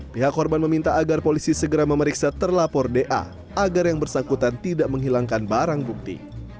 pihak korban meminta agar polisi segera memeriksa terlapor da agar yang bersangkutan tidak menghilangkan barang bukti